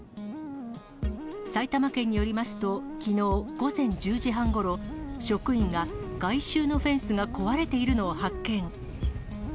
埼玉県によりますと、きのう午前１０時半ごろ、職員が外周のフェンスが壊れているのを発見。